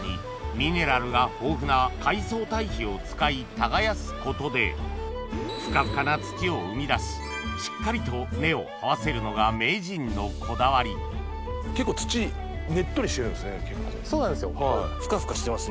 ミネラルが豊富な海藻堆肥を使い耕すことでふかふかな土を生み出ししっかりと根をはわせるのが名人のこだわりそうなんですよ。